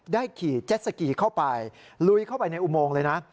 ขี่เจ็ดสกีเข้าไปลุยเข้าไปในอุโมงเลยนะ